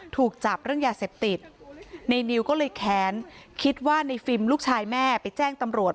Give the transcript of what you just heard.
ถูกจับเรื่องยาเสพติดในนิวก็เลยแค้นคิดว่าในฟิล์มลูกชายแม่ไปแจ้งตำรวจ